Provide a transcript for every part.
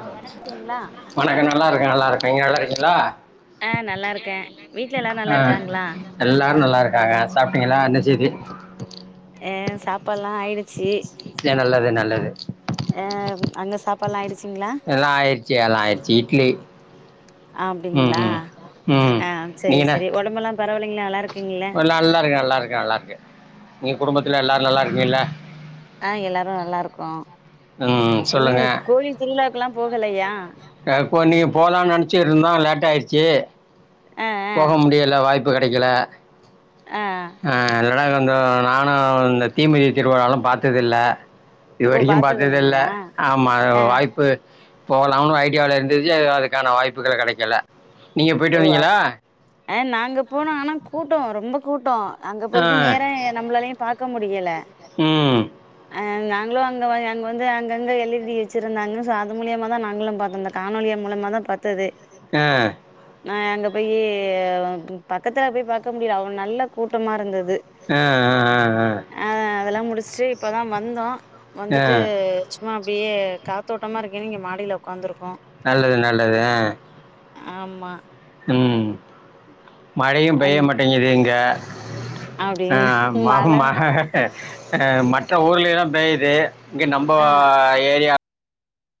ஆ வணக்கம்ங்களா வணக்கோ நல்லா இருக்கே நல்லா இருக்கே நீங்க நல்லா இருக்கீங்ள ஆ நல்லா இருக்கே வீட்ல எல்லாரு நல்லா ஆ இருக்காங்களா எல்லாரு நல்லா இருக்கு ஆ சாப்ட்டீங்ளா என்ன செய்து ஏ சாப்பாடு ஏ நல்லது நல்லது ஆ அங்க சாப்பாடெல்லா ஆயிடுச்ச எல்லா ஆயிடுச்சி எல்லா ஆயிடுச்சி இட்லி ம் அப்டிங்ளா ம், ம் ஆ சரி நீங்கள் என்ன சரி உடம்பெல்லா பரவாலைங்ளா நல்லா இருக்கீங்கள எல்லாம் நல்லா குடும்பத்துல எல்லாரு நல்லா இருக்கீங்ள ஆ எல்லாரு நல்லா இருக்கோ உம் சொல்லுங்க ல்லா போகலையா க இப்போ நீங்க போலானு நெனச்சிட்டு இருந்தா லேட் ஆயிடுச்சு ஆ ஆ போக முடியல வாய்ப்பு கெடைக்கல ஆ ஆனா கொஞ்சோ நானு இந்த தீமிதி திருவிழாலா பாத்ததில்ல இது ஓ வரைக்கு பாத்தது பாத்ததில்ல இல்லைங்களா ஆமா அத ஆ வாய்ப்பு போகலாம்னு ஐடியாவில இருந்துச்சி அதுக்கான வாய்ப்புகள் கெடைக்கல நீங்க போயிட்டு வந்தீங்களா அ நாங்க போனோ ஆனா கூட்டோ ரொம்ப கூட்டோ அங்க போயிட்டு ஆ நேர நம்மளாலையு பாக் க்க முடியல ம் அ நாங்களு அங்க வ அங்க வந்து அங்கங்க எழுதி வச்சுருந்தாங்க சோ அது மூலியமாதா நாங்களு பாத்தோ இந்த காணொலியா மூலிமாதா பத்தது அ நா அங்க போய் பக்கத்துல போய் பாக்க முடியல அவள நல்ல கூட்டமா இருந்த ஆ ஆ ஆ முடிச்சிட்டு இப்பதா வந்தோ ஆ வந்துட்டு சும்மா அப்டியே காத்தோட்டமா இருக்கேன்னு இங்க மாடியில உக்காந்துருக்கோ நல்லது நல்லது அ ஆமா ம் மழையு அந் பெய்யமாட்டேங்குது இங்க ஆ அப்டிங்களா ம மக மழ மஹக மற்ற ஊர்ல்லா பெய்து இங்க நம்போ ஆ ஏரியா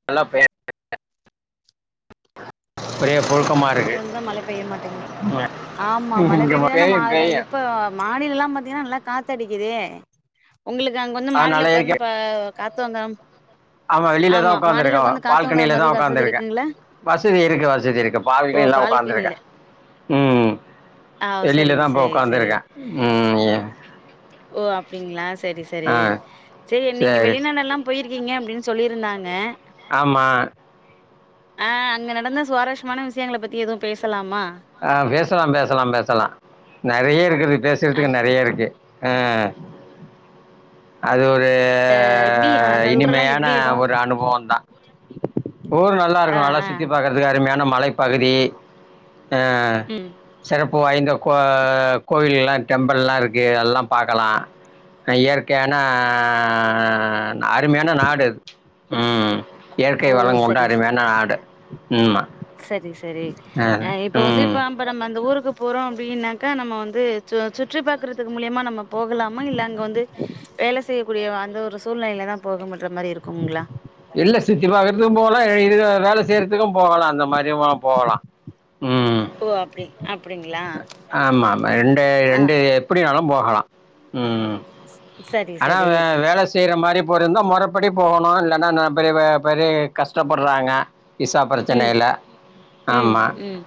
நல்லா பே புழுக்கமாக இங்க இருக்குது வந்துதா மழ பெய்யமாட்டேங்குது ஆமா மழ இங்க ம- பெய்யாமயனா ஏனா பேயும் மான பேயும் இப்ப மாடில்லா பாத்தீங்கன்னா நல்லா காத்தடிக்குதே உங்களுக்கு அங்க வந்து மாடியில அதனால உக்காந்து இருக்கேன் ப கா த்தோங்கம் ஆமா வெளியிலதா உக்காந்துருக்கே காத்தோங்கற பால்கனியிலதா மாரி வசதி உக்காந்துருக்கே இருக்குங்களா வசதி இருக்கு வசதி இருக்கு பால்கனில ஒக்காந்துருக்கே உம் ஆ வெளியில சரிங்க தா இப்ப சரி சரி ஒக்காந்துருக்கே உம் ஓ அப்டிங்ளா சரி சரி ஆ சரி நீங்க வெளிநாடு எல்லா போயிருக்கீங்க அப்டின்னு சொல்லியிருந்தாங்க ஆமா ஆ அங்க நடந்த சுவாரஸ்யமான விஷயங்கள பத்தி எதுவு பேசலாமா ஆ பேசலா பேசலா பேசலா நெறய இருக்குது ஆ பேசுறதுக்கு நெறய இருக்கு ஆ அது இது எப்டி அதாவது ஊரெல்லா இனிமையான எப்டி ஒரு இருக்கு அனுபவந்தா ஊரு நல்லா ஆ இருக்கு நல்லா ஆ சுத்தி பாக்குறதுக்கு அருமையான மலைப்பகுதி ஆ ம் சிறப்பு வாய்ந்த கோ கோயில்லா டெம்பிள்லா இருக்கு அதெல்லா பாக்கலா இயற்கையான அருமையான நாடு அது உம் ஓ உம் வளங் கொண்ட சரி ச அருமையான நாடு உம்மா சரி சரி அ இப்ப வந்து இப்ப நம்ப நம்ம அந்த ஊருக்கு போறோ அப்டினாக்கா நம்ம வந்து சுற்றி பாக்குறதுக்கு மூலியமா நம்ம போகலாமா இல்ல அங்க வந்து வேல செய்யக்கூடிய அந்த ஒரு சூழ்நிலையில தா போகன்ற மாதிரி இருக்குங்ளா இல்ல சுத்தி பாக்குறதுக்கு போகலா இல்ல வேல செய்யுறதுக்கு போகலா அந்த மாதிரி போகலா ஓ அப்டி அப்டிங்ளா ஆமா ஆமா ரெண்டு ரெண்டு எப்டினாலு போகலா உம் [inaudible] ஆனா சரி வேல செய்ற மாரி இப்ப இருந்த மொறப்படி போகணு இல்லன்னா பெரிய பெரிய கஷ்டப்படுறாங்க விசா ம் பிரச்சனையில்ல ம் ஆமா ம்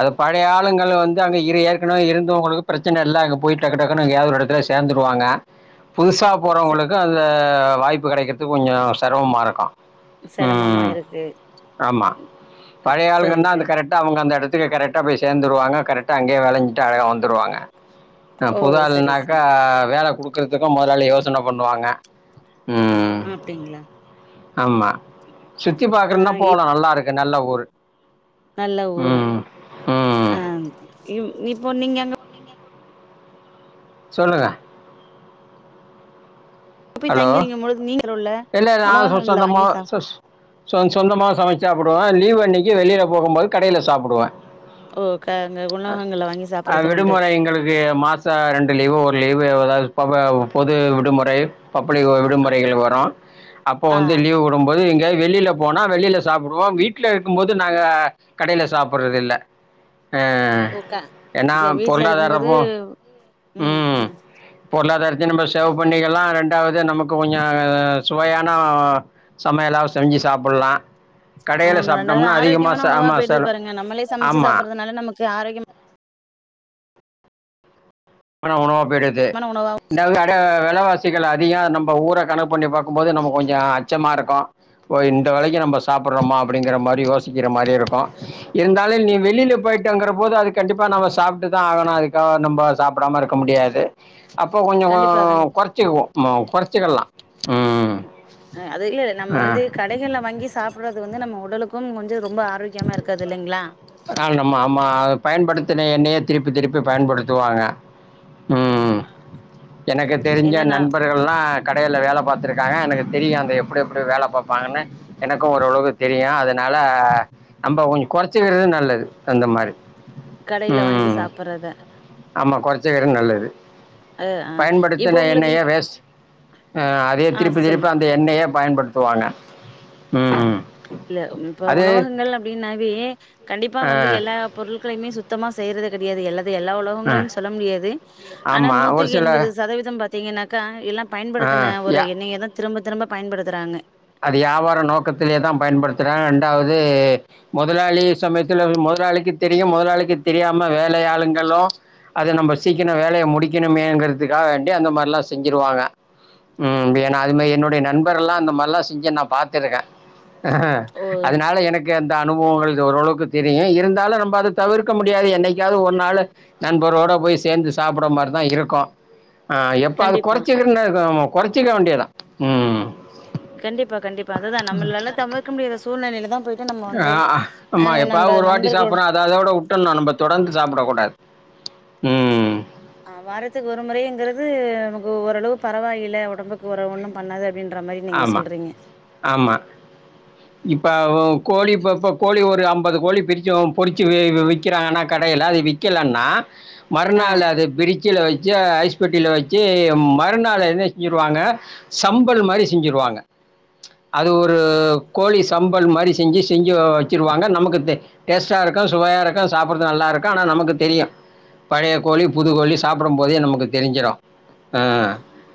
அது பழைய ஆளுங்கள் வந்து அங்க இரு ஏற்கனவே இருந்தவங்களுக்கு பிரச்சன இல்ல அங்க போயி டக்கு டக்குனு அங்கேயாது ஒரு எடத்துல சேர்ந்துடுவாங்க புதுசாக ச போறவங்களுக்கு அந்த வாய்ப்பு கெடைக்குறதுக்கு கொஞ்சோ செரமமா இருக்கு செரமமா உம் இருக்கு ஆமா பழைய சரி ஆளுகள் தா அந்த சரி கரெக்டா அவுங்க அந்த எடத்து த்துங்க கரெக்டா போய் சேந்துருவாங்க கரெக்டா அங்கயே வேலஞ்சிட்டு அழகா வந்துருவாங்க ஆ ஓ புது சரி ஆள்னாக்கா சரி வேல குடுத் த்துக்க மொதலாளி யோசன பண்ணுவாங்க ம் அப்டிங்களா ஆமா சுத்தி ஆ பாக்கறன்னா போலா இப் நல்லாருக்கு நல்ல ஊர் நல்ல ஊரு ம் ம் ஆம் இம் இப்ப நீங்க எங்க சொல்லுங்க போய் ஹலோ தங்கிருக்கும் பொழுது நீங்க உள்ள இல்ல நா உணவகங்கள்ல சொந்தமா வாங்கி சாப் சொஸ் சொ சொந்தமா சமைச் சாப்புடுவோ ஆ லீவ் அன்னிக்கு வெளியில போகும்போது கடையில சாப்பிடுவே ஓ க அங்க உணவகங்கள்ல வாங்கி ஆ சாப்புறது உண்டு விடுமுறை எங்களுக்கு மாச ரெண்டு லீவ் ஒரு லீவ் ப் வதாது பொது விடுமுறை பப்ளிக் ஒ அ விடுமுறைகள் வரு அப்போ ஆ வந்து லீவ்வுடுபோது இங்கயா வெளியில போனா வெளியில சாப்பிடுவோ வீட்ல இருக்கு போது நாங்க கடையில சாப்பறது இல்ல ஆ ஓகே என்ன சரி வீட்ல இருக்கும்போது பொருளாதாரப்போ ம் பொருளாதாரத்தியு நம்ம சேவ் பண்ணிக்கலா ரெண் டாவது நமக்கு கொஞ்சோ சுவையான சமையலா செஞ்சி சாப்பிலா ஆமா ரெண்டாவது ஆரோக்கியமான உணவா ஆமாம் போயிடுது செல பாருங்க நம்மளே சமைச்சி ஆமாம் சாப்பறதுனால நமக் க்கு ஆரோக்கியம் ஆனா உணவாப் போயிடுது உணவா [unintelligible] ட்ட வேலவாசிகள் அதிக நம்ப ஊர கணக்கு பண்ணி பாக்குபோது நம்ம கொஞ்சோ அச்சமா இருக்கு ஓ இந்த விலைக்கு நம்ம சாப்பறமா அப்பிடிங்கிற மாரி யோசிக்கிற மாரி இருக்கு இருந்தாலு நீ வெளியில போய்ட்டங்கிற போது அது கண்டிப்பா நம்ம சாப்பிட்டுதா ஆகனு அதுக்கா நம்ப சாப்பிடாம இருக்க முடியாது அப்ப கொஞ்சகோ கண்டிப்பா கண்டிப்பா கொறச்சிகுவோ ம் கொறச்சிக்கலா அ அது இல்ல இல்ல நம்ம ஆ வந்து கடைகல்லா வாங்கி சாப்பறது வந்து நம்ம உடலுக்கு கொஞ்சம் ஆம் நம்ம ஆமா அத பயன்படுத்தின எண்ணெயே திருப்பி திருப்பி பயன்படுத்துவாங்க ம் ஆ எனக்கு தெரிஞ்ச நண்பர்கள் எல்லா கடையில வேலை பாத்திருக் க்காங்க எனக்கு தெரியும் அந்த எப்டி எப்டி வேலை பாப்பாங்கன்னு எனக்கும் ஓரளவு தெரியும் அதனால நம்ம கொஞ்சம் குறைச்சுக்கிறது நல்லது இந்த மாரி கடையில வாங்கி சாப்பிடுறது [unintelligible] நல்லது இப்போ பயன்படுத்தின உங்களுக்கு எண்ணைய வேஸ் அதே ஆ திருப்பி சொல்லு திருப்பி அந்த எண்ணெயை பயன்படுத்துவாங்க ம் இல்ல இப்ப அது உணவகங்கள் அப்டின்னாவே கண்டிப்பா ஆ வந்து எல்லா பொருட்களையுமே சுத்தமா செய்றது கிடயாது எல்லா எல்லா ஆ உலகங்களையும் சொல்ல முடியாது ஆனா ஆமாம் ஒரு நூத்திக்கு சில எண்பது சதவீதம் பாத்தீங்கன்னா க்கா எல்லா ஆ பயன்டுத்தின ஒரு யா எண்ணைய தா திரும்ப திரும்ப பயன்படுத்துறாங்க அது வியாபார நோக்கத்தில தா பயன்படுத்துறான் ரெண்டாவது முதலாளி சமயத்துல முதலாளிக்கு தெரியும் முதலாளிக்கு தெரியாம வேலையாளுங்களும் அது நம்ம சீக்கணம் வேலையை முடிக்கணமங்கிறதுக்காக வேண்டி அந்த மாரி எல்லா செஞ்சிருவாங்க ம் ஏன்னா அது மாரிஎன்னுடைய நண்பர் எல்லா அந்த மாரிலா செஞ்சு நா பாத்துருக்கேன் அ ஓ அதனால எனக்கு அந் அனுபவங்கள் ஓரளவுக்கு தெரியும் இருந்தாலும் அத நம்ம தவிர்க்க முடிய என்னைக்கது ஒரு நாளு நண்பரோட போய் சேர்ந்து சாப்பிட மாரிதா இருக்கும் ஆ எப்போ அது கண்டிப்பா குறைச்சிக்கன்னா இருக்கும் கொறச்சின்க வேண்டிய தா ம் கண்டிப்பா கண்டிப்பா அதுதா நம்மளால தவிர்க்க முடியாத சூழ்நிலைல என்ன ஆ ஆமா எப்பாவது ஒரு வாட்டி நண்பர்களோட சாப்பிட்றோம் அத விட விட்டணும் நம்ம தொடர்ந்து சாப்பிடக்க கூடாது ம் ஆ வாரத்துக்கு ஒரு முறைங்கிறது நமக்கு ஓரளவு பரவாயில்ல உடம்புக்கு ஒரு ஒண்ணும் பண்ணாது அப்டின்ற மாரி நீங்க ஆமா சொல்றீங்க ஆமா இப்ப கோழிப்ப கோழி ஒரு அம் பது கோழி பிரிச்சு பொறிச்சு விற்கிறாங்கன்னா கடையில் அது விக்கலன்னா ஆ மறுநாளு அத பிரி ட்ஜில ஐஸ்பட்டில் வச்சு மறுநாள் என்ன செஞ்சுருவாங்க சம்பல் மாரி செஞ்சுடுவாங்க அது ஒரு கோழி சம்பல் மாரி செஞ்சு செஞ்சு வச்சருவாங்க நமக்கு டேஸ்ட்டாக இருக்கும் சுவையாக இருக்கும் சாப்பிட்றது நல்லா இருக்கும் ஆனால் நமக்கு தெரியும் பழைய கோழி புது கோழி சாப்பிடும் போதே நமக்கு தெரிஞ்சிடும் அ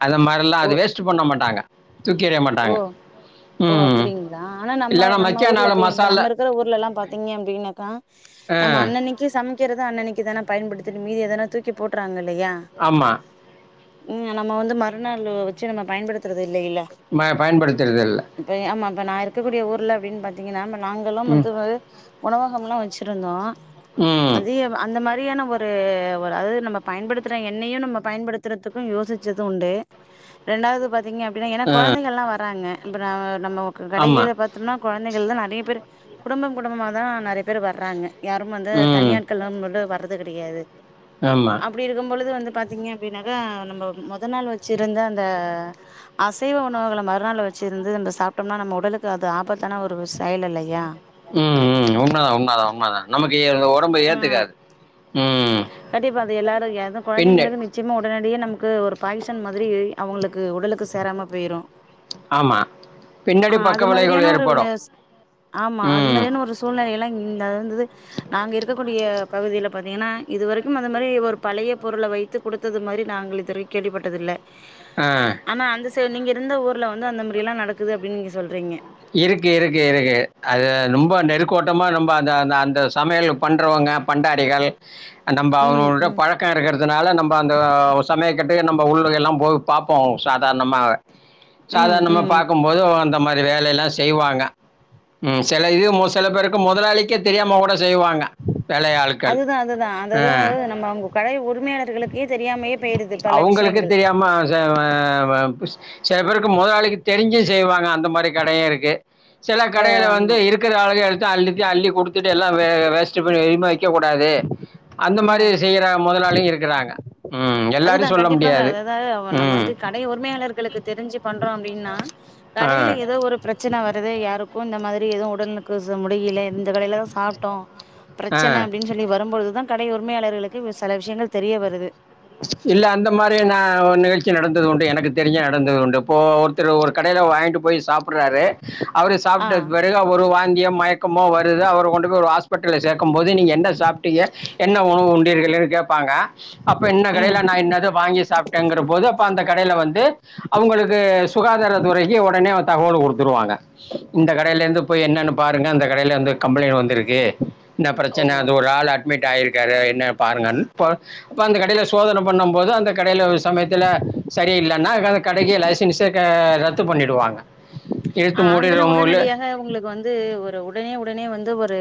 அது மாரிலா ஓ அது வேஸ்ட் பண்ண மாட்டாங்க தூக்கி எறிய ஓ மாட்டாங்க ஓ ம் அப்டிங்களா ஆனா நம்ம இல்லைன்னா நம்ம மக்கிய ஊர்ல நாள் இப்ப மசாலா நம்ம இருக்கிற ஊர்ல எல்லா பாத்தீங்க அப்டின்னாக்கா ஆ நம்ம அன்னனைக்கு சமைக் க்கறது அன்னனைக்கு தான பயன்படுத்திட்டு மீது எதன தூக்கி போடறாங்க இல் ஆமா ம் நம்ம வந்து மறுநாள் வச்சு நம்ம பயன்படுத்துறது இல்லை இல்ல பயன்படுத்துறதில்ல ஆமா அப்ப நா இருக்க கூடிய ஊர்ல அப்டின் பாத்தீங்கன்னாம நாங்களு ம் வந்து வாரு உணவகம்ல்லா வச்சிருந்தோ ம் அதேம் அந்த மாரி ரியான ஒரு ஒரு அது நம்ம பயன்படுத்துற எண்ணையு நம்ம பயன்படுத்துறதுக்கு யோசிச்சது உண்டு ரெண்டாவது பாத் திங்க அப்டின்னா எனக் கொழ வராறங்க அப்பன வ நம்ம கடைகயில ஆமாம் பாத்தம்னா கொழந்தைகள்தா நெறைய பேர் குடும்பம் குடும்பமாதா நெறைய பேர்வர்றாங்க யாரும் வந்து ம் தனியாட்கள்லம் வடுவர் து கெடையாது ஆமாம் அப்பிடி இருக்கு பொழுது வந்து பாத்தீங்க அப்பிடின்னாக்கா நம்ம முத நாள் வச்சிருந்த அந்த அசைவ உ ணவுகள மறுநாள் வச்சிருந்து இந்த சாப்பிட்டோம்னா நம்ம உடலுக்கு அது ஆபத்தான ஒரு செயல் இல்லையா ம் ம் உண்மதா உண்மதா உண்மதா நமக்கு எங்க ஒடம்பு ஆ ஏத்துக்காது ம் கண்டிப்பா அது எல்லாரு எத வெளிப்படையா பின்ன கொழந்தைங்களுக்கு இப்போ நிச்சயமா உடனடியே நமக்கு ஒரு பாகிஸ்தான் மாதிரி அவுங்களுக்கு உடலுக்கு சேராம ஸ்நாக்ஸ் வாங்கி சாப்பிட்டது போயிரு உடலுக்கு சேராது. ஆமா ஆ பின்னாடி பக்க அது விளைவுகள் மாதிரியான ஒரு ஏற்படு வினஸ் ஆமா அது ம் மாதிரியான ஒரு சூழ்நிலை ஆ அதேயோட எல்லா இந்த இந்தது எனக்கு நாங்க இருக்க சூழ்நிலைக்கு கூடிய பகுதியில பாத்திங்கன்னா இதுவரைக்கு அந்த மாதிரி ஒரு பழைய அதிகமாக பொருள வருகிறது. வைத்து குடுத்தது மாரி நாங்கள் இதுவரை கேள்விப்பட்டதில்ல ஆ சோ நீங்க இருந்த ஊரல வந்து அந்த மாரிலா நடக்குது அப்டின் நீங்க சொல்கிறீங்க இருக்கு இருக்கு இருக்கு அது ரொம்ப நெருக் கோட்டமா நம்ம அ அந்த சமையல் பண்றவங்க பண்டாரிகள் நம்ம ம் அவங்களோட ம் பழக்கோ இருக்கிறதுனால நம்ம அந்த சமயக்கட்டு நம்ம உள்ள எல்லா போய் பார்ப்போ சாதாரணமாவே ம் சாதாரணமா ம் பார்க்கும்போது அந்த மது வேலல் செய்வாங்க ம் சில இது சில பேருக்கு முதலாளிக்கே தெரியாம கூட செய்வாங்க, வேலை ஆட்கள். அதுதா அதுதா அதுது ஆ. நம்ம அவங்க கட உரிமை ளுக்கு ஏ அவங்களுக்கு தெரியாம [unintelligible] சில பேருக்கு முதாளிக்கு தெரிஞ்சு செய்வாங்க அந்த மாதிரி கடையு இருக்கு சில கடைகள வந்து ஆமா இருக்கிற அளகள் அள்ளித்த அள்ளி கொடுத்துட்டு எல்லா வே வேஸ்ட் பண்ணி வரிமா வச்சா க்க கூடாது அந்த ஆ மாதிரி செய்யிறா முதலாளியு இருக்கிறாங்க ம் அதுதா எல்லாரையும் சொல்ல கண்டிப்பாக முடியாது அதாவது நம்ம ம் வந்து கடை உரிமையாளர்களுக்கு தெரிஞ்சு பண்ற் றோ அப்டின்னா ஆ கடையில ஏதோ ஒரு பிரச்சனை வ து யாருக்கு இந்த மாதிரி எதுவு உடல்க்கு முடியல இந்த கடையில தா சாப்ட்டோ ஆ பிரச்சன அப்படின்னு சொல்லி வரும்பொழுதுதா கடை உரிமையாளர்களுக்கு சில விஷயங்கள் தெரிய வருது இல்ல அந்த மாதிரி நா ஒரு நிகழ்ச்சி நடந்தது உண்டு எனக்கு தெரிஞ்ச நடந்ததுண்டு இப்போ ஒருத்தர் ஒரு கடையில வாங்கிட்டு போய் சாப்ட்டு ராரு அவரு ஆ சாப்பிட்ட பிறகு ஒரு வாந்தியம் மயக்கமோ வருது அவர் கொண்டு போய் ஒரு ஹாஸ்பிட்டல்ல சேர்க்கும்போது நீங்க என்ன சாப்பிட்டீங்க என்ன உணவு உண்டீர்கள்ன்னு கேட்பாங்க என்ன ம் கடையையில நா என்னது வாங்கி சாப்பிட்டேங்கிற போது அப்ப அந்த கடையையில வந்து அவங்களுக்கு சுகாதாரத்துறைக்கு உடனேந்து தகவல் கொடுத்துருவாங்க இந்த கடையிலேருந்து போய் என்னன்னு பாருங்க அந்த கடையையிலந்து கம்ப்ளைண்ட் வந்திருக்கு என்ன பிரச்சன ஓ அது ஒரு ஆள் அட்மிட் இட்டி ஆயிருக்காரு என்ன பாருங்கனு இப்போ அந்த கடையில சோதனை பண்ணு போது அந்த கடையில ஒரு சமயத்தில சரி இல்லைன்னா அ அந்த கடைக்கு லைசன்ஸே க ரத்து பண்ணிடுவாங்க இழுத்து அ அங்கல்லா மூடிடுற மூலு உடனடியாக உங்களுக்கு வந்து ஒரு உடனே உடனே வந்து ஒரு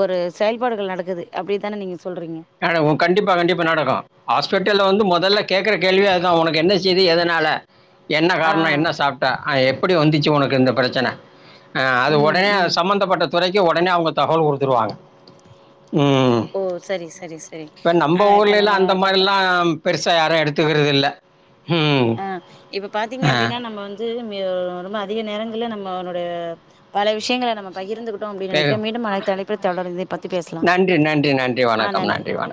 ஒரு செயல்பாடுகள் நடக்குது அப்படித்தானே நீங்க சொல்றீங்க கன ஓ கண்டிப்பா கண்டிப்பா நடக்கு ஹாஸ்பிட்டல வந்து முதல்ல கேக்கற கேள்வி அதா உனக்கு என்ன செய்து எதனால என்ன ஆ காரணோ என்ன சாப்பிட்ட அ எப்டி வந்துச்சி உனக்கு இந்த பிரச்சன ஆ அது ம் ஒடனே அ ம் சம்பந்தப்பட்டது துறைக்கு ஒடனே அவங்க தகவல் குடுத்துருவாங்க ஓ சரி சரி சரி ஆ இப்ப நம்ம பாத்த பெருசா யாரு எடுத்துக்கறதில்ல ஆ இப்ப பாத்தீங்க அப்டின்னா நம்ம வந்து மியோ ரொம்ப அதிக நேரங்கள நம்மனுடைய பல விஷயங்கள நம்ம பகிர்ந்து கொ ண்டோ அப்பின் நெனைக்கிறே பேக- மீண்டும் அனைத்து அழைப்புல தொடர்ந்து பத்தி பேசலா நன்றி நன்றி நன்றி ஆ வணக்கம் நன்றி வணக்கம்